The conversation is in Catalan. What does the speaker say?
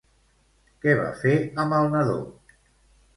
Què va fer amb el nadó?